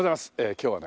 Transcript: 今日はね